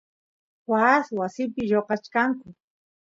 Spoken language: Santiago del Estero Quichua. waas wasipi lloqachkanku